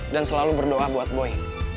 selalu berdoa buat boy